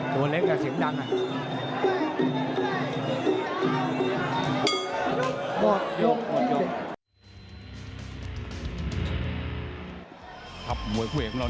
ตัวเล็กแต่เสียงดัง